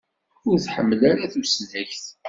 Ur tḥemmel ara tusnakt.